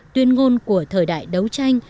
tuyên ngôn của thời đại đấu tranh